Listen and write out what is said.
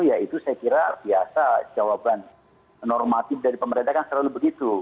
ya itu saya kira biasa jawaban normatif dari pemerintah kan selalu begitu